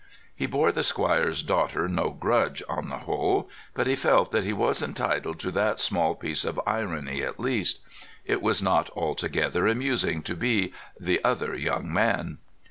He bore the squire's daughter no grudge, on the whole, but he felt that he was entitled to that small piece of irony at least. It was not altogether amusing to be "the other young man."